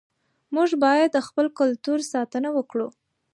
موږ باید د خپل کلتور ساتنه وکړو.